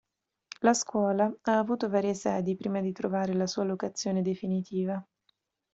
La scuola ha avuto varie sedi prima di trovare la sua locazione definitiva.